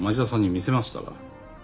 見せました。